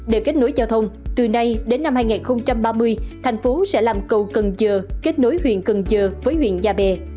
để kết nối giao thông từ nay đến năm hai nghìn ba mươi thành phố sẽ làm cầu cần giờ kết nối huyện cần giờ với huyện nhà bè